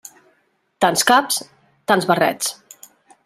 Tants caps, tants barrets.